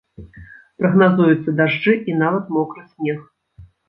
Прагназуюцца дажджы і нават мокры снег.